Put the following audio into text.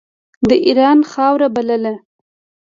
د اېران خاوره بلله.